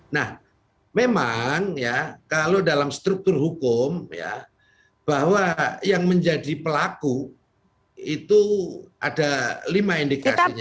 nah memang ya kalau dalam struktur hukum ya bahwa yang menjadi pelaku itu ada lima indikasinya